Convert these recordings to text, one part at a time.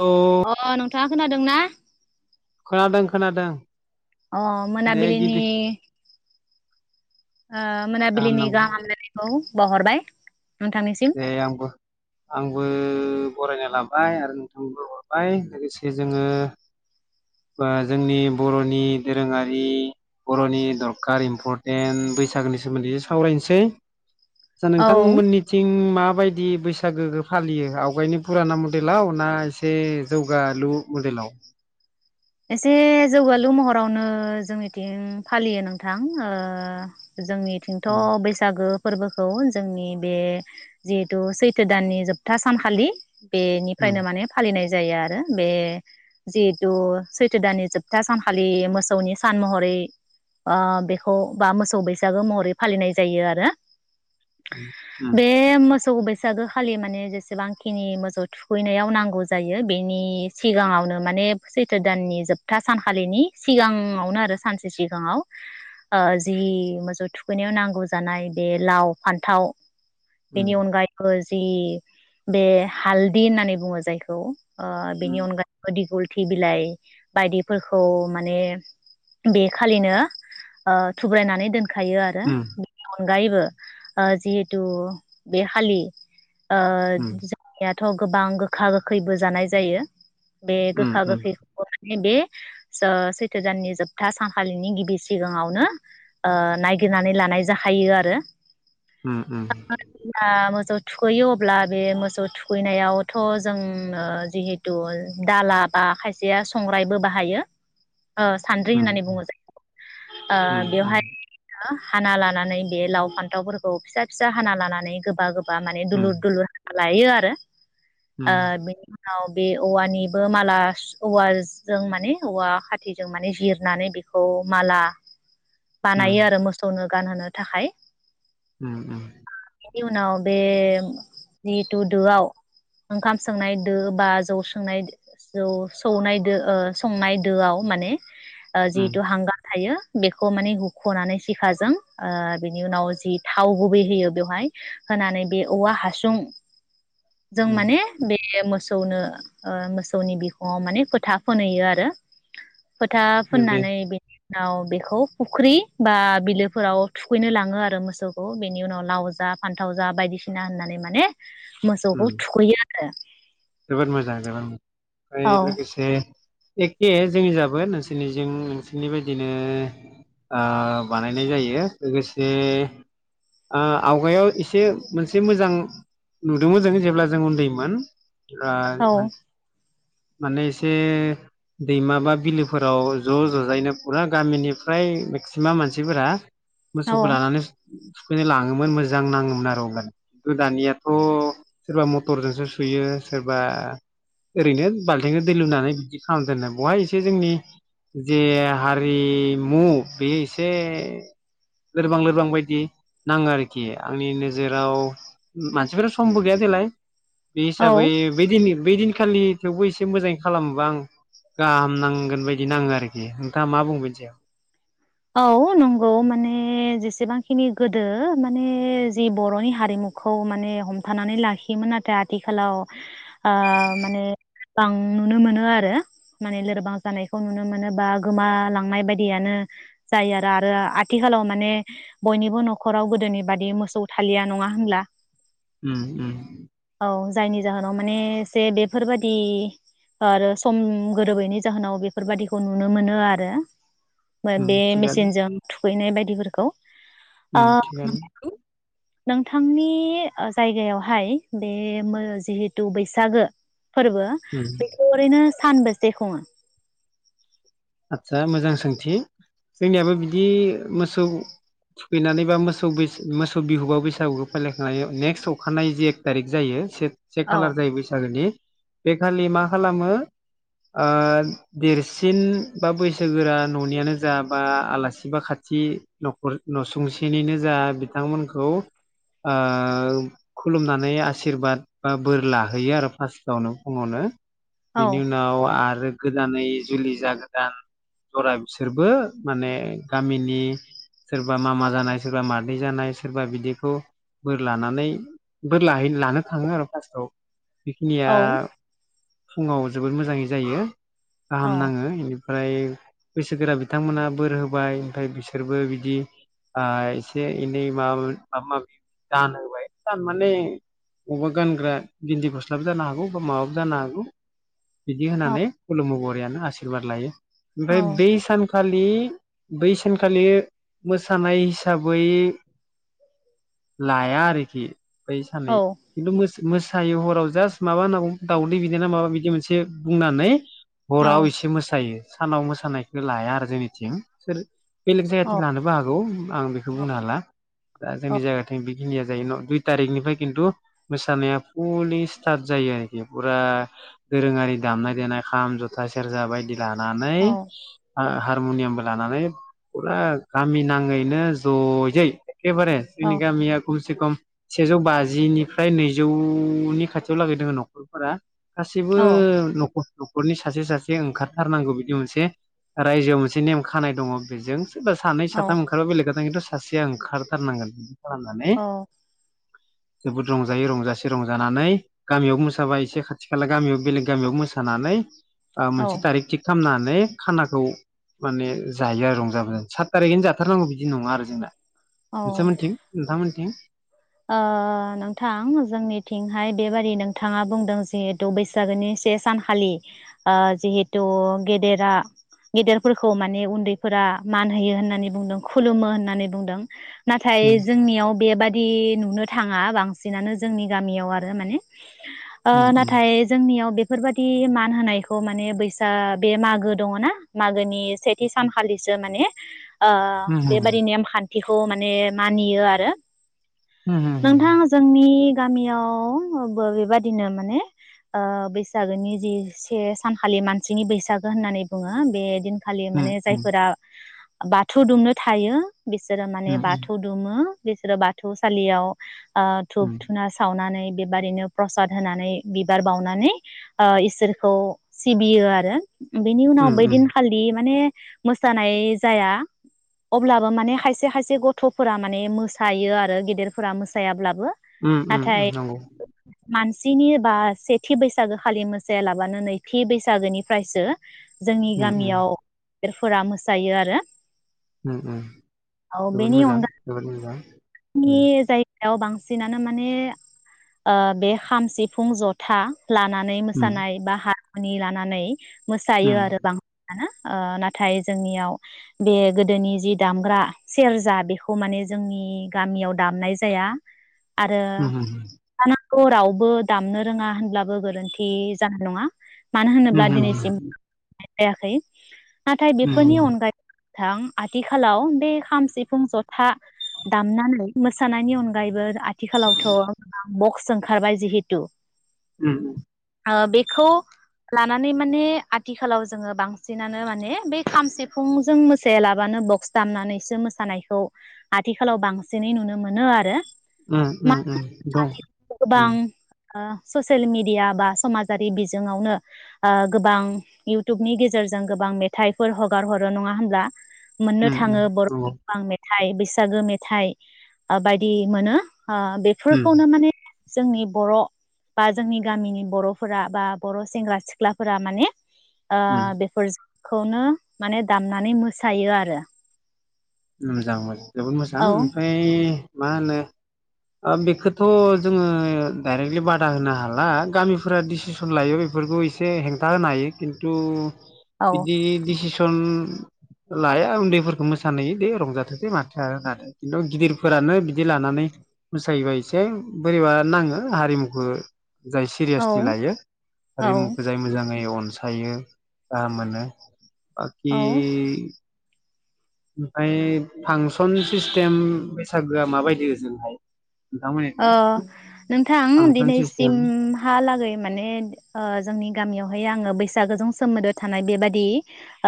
औ अ नोंथां। खोनादों ना? खोनादों खोनादों। अ दे गिबि मोनाबलिनि आ मोनाबिलिनि गाहाम हामलायनायखौ बावहरबाय। नोंथांनिसिम। दे आंबो आंबो बरायना लाबाय आरो नोंथांबो हरबाय लोगोसे जोङो दा जोंनि बर'नि दोरोङारि बर'नि दरखार इम्परटेन्ट बैसागोनि सोमोन्दै सावरायनोसै। आसा औ नोंथांमोननि थिं माबायदि बैसागोखौ फालियो आवगायनि पुराना मडेलाव ना एसे जौगालु मडेलाव? एसे जौगालु महरावनो जोंनिथिं फालियो नोंथां ओ जोंनिथिंथ' उम बैसागो फोरबोखौ जोंनि बे जिहेतु सैथो दाननि जोबथा सानखालि बेनिफ्रायनो माने फालिनाय जायो आरो बे जिहेतु सैथो दाननि जोबथा सानखालि मोसौनि सान महरै ओ बेखौ बा मोसौ बैसागो महरै फालिनाय जायो आरो। उम बे मोस मोसौ बैसागो खालि माने जेसेबांखिनि मोसौ थुखैनायाव नांगौ जायो बेनि सिगाङावनो माने सैथ्र दाननि जोबथा सानखालिनि सिगाङावनो आरो सानसे सिगाङाव ओ जि मोसौ थुखैनायाव नांगौ जानाय बे लाव फान्थाव। उम बेनि अनगायैबो जि बे हालदि होननानै बुंङो जायखौ ओ बेनि उम अनगायैबो दिगल [unintelligible] बिलाइ बायदिफोरखौ माने बेखालिनो ओ थुब्रायनानै दोन खायो आरो उम [unintelligible] अनगायैबो ओ जिहेथु बे खालि। ओ उम जोंनिया। थ' गोबां गोखा गोखैबो जानाय जायो। बे उम गोखा उम गोख बर'नि बे स सैथो दाननि जोबथा सानखालिनि गिबि सिगाङावनो ओ नायगिरनानै लानाय जाहैयो आरो। [unintelligible] मोसौ थुखैयो अब्ला बे मोसौ थुखैनायावथ' जोंनो जिहेथु दाला बा खायसे खायसेया संग्राइबो बाहायो। ओ सान्द्रि उम होननानै बुङो जायखौ ओ उम उम बेवहाय [unintelligible] हाना लानानै बे लाव फान्थावफोरखौ फिसा फिसा हाना लानानै गोबा गोब माने दलुर दुलुर लायो आरो ओ बेनि उनाव बे औवानिबो माला औवाजों माने औवा खाथिजों माने जिरनानै बेखौ माला बानायो आरो मोसौनो गानहोनो थाखाय उम उम बेनि उनाव बे जिहेथु दोआव ओंखाम सोंनाय दोआव बा जौ संनाय दोआव सौनाय दो संनाय दोआव माने जिहतु हांगार थायो बेखौ माने होख'नानै सिखाजों बिनि उनाव जि थाव गुबै होयो बेवहाय होनानै बे औवा हासुं जों माने ऊम, बे मोसौनो मोसौनि बिखुं अ माने फोथा फोनहैयो आरो। फोथा फुननानै बे उनाव बेखौ फुख्रि बा बिलोफोराव थुखैनो लाङो आरो मोसौखौ बेनि उनाव लाव जा फान्थाव जा बायदिसिना होननानै माने ऊम, मोसौखौ थुखैयो। ओ जोबोद मोजां जोबोद मोजां। ओमफ्राय लोगोसे एखे जोंनि जाबो नोंसोरनि जि नोंसोरनि बायदिनो ओ बानायनाय जायो लोगोसे ओ आवगायाव एसे मोनसे मोजां नुदोंमोन जों जेब्ला जों उन्दैमोन। ओ औ मान माने एसे दैमा बा बिलोफोराव ज' ज'जायैनो फुरा गामिनिफ्राय मेक्सिमाम मानसिफोरा मोसौखौ औ लानानै थुखैनो लाङोमोन मोजां नाङोमोन आरो अब्लानो खिन्थु दानियाथ' सोरबा मथरजोंसो सुयो। सोरबा ओरैनो बाल्थिंखौ दै लुनानै बिदि खालाम देननाय बहाय एसे जोंनि जे हारिमु बेयो एसे लोरबां लोरबां बायदि नाङो आरोखि आंनि नोजोराव मानसिफोरा समबो गैया देलाय बे औ हिसाबै बिदिनो बै दिनखालि थेवबो एसे मोजाङै खालामोबा आं गाहाम नांगोन बायदि नाङो आरोखि नोंथाङा मा बुङो बेनि सायाव। औ नंगौ माने जेसेबांखिनि गोदो माने जि बर'नि हारिमुखौ माने हमथानानै लाखियोमोन नाथाय आथिखालाव ओ माने बां नुनो मोनो आरो माने लोरबां जानायखौ नुनो मोनो बा गोमालांनाय बायदियानो। जायो आरो आरो आथिखालाव माने बयनिबो न'खराव गोदोनि बादि मोसौ थालिया नङा होनब्ला? ओम ओम। औ जायनि जाहोनाव माने एसे बेफोरबादि आरो सम गोरोबैनि जाहोनाव बेफोरबादिखौ नुनो मोनो आरो। उम बे मेचिनजों थु खैनाय बायदिफोरखौ ओ ओम थिगानो नोंथांनि ओ जायगायावहाय बे मो जिहेथु बैसागो फोरबो उम बेखौ ओरैनो सानबोसे खुङो? आदसा मोजां सोंथि। जोंनियाबो बिदि मोसौ थुखैनानै बा मोसौ मोसौ बिहुबा बैसागुखौ फालिखांनाय नेक्स्ट अखानाय जि एक थारिख जायो से से औ खालार जायो बैसागोनि बेखालि मा खालामो ओ देरसिन बा बैसोगोरा न'नियानो जा बा आलासि बा खाथि न'खर नसुंसेनिनो जा बिथांमोनखौ ओ खुलुमनानै आसिरबाद बा बोर लाहैयो आरो फार्स्टावनो फुङावनो। बिनि उनाव आरो गोदानै जुलि जागोन दान जरा बिसोरबो माने गामिनि सोरबा मामा जानाय सोरबा मादै जानाय सोरबा बिदिखौ बोर लानानै बोर लाहैनो लानो थाङो आरो फार्स्टआव। बेखिनिया फुङाव जोबोद मोजाङै जायो। गाहाम नाङो ओमफ्राय बैसोगोरा बिथांमोनहा बोर होबाय ओमफ्राय बिसोरबो बिदि एसे एनै माबा माबा माबि दान होबाय दान माने बबा गानग्रा गिन्दि गस्लाबो जानो हागौ बा माबाबो जानो हागौ। बिदि होनानै खुलुनांगौ आरो। [unintelligible] यानो आसिरबाद लायो। ओमफ्राय बे सान खालि बै सानखालि मोसानाय हिसाबै लाया आरोखि। बै सानै खिन्थु मो मोसायो हराव जास्ट माबा होनांगौ दाउदै बिदै ना माबा बिदि मोनसे बुंनानै हराव एसे मोसायो। सानाव मोसानायखो लाया आरो जोंनिथिं सोर बेलेग जायगाथिं लानोबो हागौ आं बेखौ बुंनो हाला‌। दा जोंनि जायगाथिं बि हिनिया जायो दुइ तारिखनिफ्राय खिन्थु मोसानाया फुलि स्टार्ट जायो आरोखि फुरा दोरोङारि दामनाय देनाय खाम, जथा, सेरजा बायदि ला लानै ओ हा रमुनियामबो लानानै फुरा गामि नाङैनो जयै एखेबारो जोंनि गामिया खमसे खम सेजौ बाजिनिफ्राय नैजौनि खाथियाव लागै दोंङो नखरफोरा गासिबो औ नख नखरनि सासे सासे ओंखार थारनांगौ बिदि मोनसे रायजोआव मोनसे नेम खानाय दङ बेजों सोबा सानै साथ ओखाराबा बेलेग खोथा खिन्थु सासेया ओंखारथारनांगोन। खालामनानै औ जोबोद रंजायो रंजासे रंजानानै गामियाव मोसाबाय एसे खाथि खाला गामियाव बेलेग गामियाव मोसानानै ओ मोनसे औ थारिख खामनानै खानाखौ माने जायो आरो रंजा बाजा सात थारिखैनो जाथारनांगौ बिदि नङा आरो जोंना औ नोंसांमोनथिं नोंथांमोनथिं [inaudible] ओ नोंथां जोंनिथिंहाय बेबायदि नोंथाङा बुंदों जिहेथु बैसागोनि से सानखालि ओ जिहेथु गेदेरा गेदेरफोरखौ माने उन्दैफोरा मान होयो होननानै बुंदों खुलुमो होननानै बुंदों नाथाय उम जोंनियाव बेबादि ए नुनो थाङा बांसिनानो जोंनि गामियाव आरो माने ओ उम नाथाय जोंनियाव बे बेफोरबायाददि मान होनायखौ माने बैसा बे मागो दङना मागोनि सेथि सानखालिसो माने ओ उम बेबादि नेमखान बेखौ माने मानियो आरो उम नोंथां जोंनि गामियावबो बेबादिनो माने ओ बैसागोनि जि से सानखालि मानसिनि बैसागो होननानै बुङो बेदिन खालि उम माने जायफोरा बाथौ दुमनो थायो बिसोरो उम माने बाथौ दुमो बिसोरो बा थौसालियाव ओ धुप धुना सावनानै बेबारिनो प्रसाद होनानै बिबार बावनानै ओ इसोरखौ सिबियो आरो बेनि उनाव बै उम दिनखालि माने मोसानाय जाया अब्लाबो माने खायसे खायसे गथ'फोरा माने मोसायो आ रो गेदेरफोरा मोसायाब्ला उम उम नंगौ मानसिनि बा सेथि बैसागो खालि मोसाया लाबानो नैथि बैसागोनिफ्रायसो जोंनि उम उम गामियाव गिदेरफोरा मोसायो आरो उम उम जोबोद मोजां जोबोद मोजां उम [unintelligible] सायाव बांसिनानो माने ओ बे खाम सिफुं जथा लानानै उम मोसानाय बा हा नि लानानै मोसायो उम आरो बां नानो ओ नाथाय जोंनियाव बे गोदोनि जि दामग्रा सेरजा बेखौ माने जोंनि गामियाव दामनाय जाया आरो उम उम [unintelligible] ना खौ रावबो दामनो रोङा होनब्लाबो गोरोन्थि जानाय नङा मानो उम होनोब्ला दिनैसिम थायायाखै [inaudible] नाथाय उम बेफोरनि अनगायै थां आथिखालाव बे खाम, सिफुं, जथा दामनानै मोसानायनि अनगायैबो आथिखालावथ' गोबां बक्स सोंखारबाय जिहेतु आ बेखौ लानानै माने आथिखालाव जोङो बांसिनानो माने बे खाम सिफुंजों मोसायालाबानो बक्स दामनानैसो मोसानायखौ आथि खालाव बांसिनै नुनो मोनो आरो उम उम उम दं उम गोबां ओ ससियेल मिडिया बा समाजारि बिजोङावनो ओ गोबां इउटुबनि गेजेरजों गोबां मेथाइफोर हगार हरो नङा होमब्ला? मोननो उम थाङो बर' नंगौ [unintelligible] थाय बेस बैसागो मेथाइ ओ बायदि मोनो। आ उम बेफोरखौनो माने जोंनि बर' बा जोंनि गामिनि बर'फोरा बा बर' सेंग्रा सिख्लाफोरा माने ओ उम बेफोर खौनो माने दामनानै मोसायो आरो। मोजां मोजां। जोबोद मोजां औ ओमफ्राय मा होनो ओ बेखौथ' जोङो डायरेक्टलि बादा होनो हाला गामिफोरा डिसिसन लायो बेफोरखौ एसे हेंथा होनो हायो खिन्थु औ बिदि डिसिसन लाया उन्दैफोरखौ मोसानै बे रंजाथोंसै माथो माथो खिन्थु गिदिरफोरानो बिदि लानानै मोसायोबा एसे बोरैबा नाङो हारिमुखो जाय औ सिरियासलि लायो औ हारिमुखौ जाय मोजाङै अन मोसायो गाहाम मोनो। बाखि औ ओमफ्राय फांसन सिस्टेम बैसागोआ माबायदि ओजोंहाय? अ नोंथांमोननिथिं? नोंथां फांसन सिस्टेम दिनैसिमहालागै माने ओ जोंनि गामियावहाय आङो बै बैसागोजों सोमोन्दो थानाय बेबादि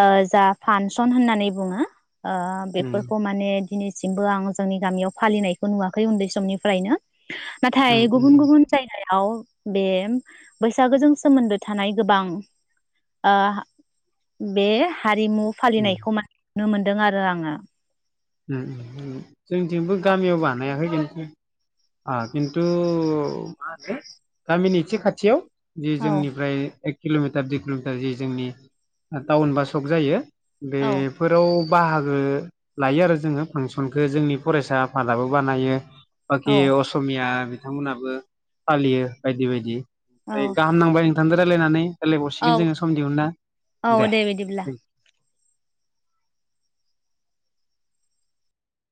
ओ जा फानसन होननानै बुङो ओ उम बेफोरखौ माने दिनैसिमबो आं जोंनि गामियाव फालिनायखौ नुवाखै उन्दै समनिफ्रायनो उम नाथाय उम गुबुन गुबुन जायगाया आव बे बैसागोजों सोमोन्दो थानाय गोबां आ बे हारिमु उम फालिनायखौ मा नुनो मोनदों आरो आङो उम उ। जोंनिथिंबो गामियाव बानायाखै जों [unintelligible] ओ खिन्थु मा होनो गामिनि एसे खाथियाव जि औ जोंनिफ्राय एक किल'मिटार दुइ किल'मिटार जि जोंनि टाउन बा सक जायो। बे फोराव बाहागो लायो आरो जोङो फांसनखो जोंनि फरायसा आफादाबो बानायो। औ बाखि असमिया बिथांमोनहाबो फालियो बायदि बायदि। औ फ्राय गाहाम नांबाय नोंथांदो रायलायनानै। रायलायबावसिगोन औ जोङो सम दिहुनना औ दे बिदिब्ला उम।